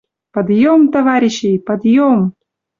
«Подъем, товарищи, подъем!»